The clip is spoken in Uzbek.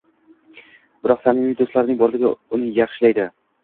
biroq samimiy do‘stlarning borligi uni yaxshilaydi.